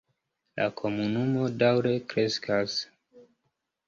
La komunumo daŭre kreskas.